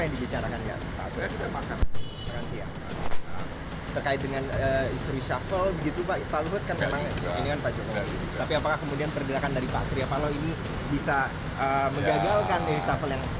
dia makan siang dia jangan makan siang